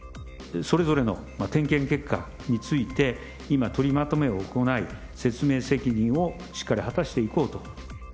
それぞれの点検結果について、今、取りまとめを行い、説明責任をしっかり果たしていこうと。